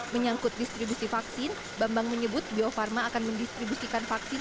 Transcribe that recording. menyangkut distribusi vaksin bambang menyebut bio farma akan mendistribusikan vaksin